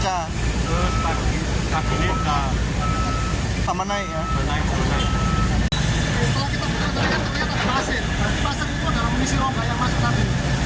kalau kita buka dari kan kelihatan berhasil pasang itu dalam misi rongga yang masuk tadi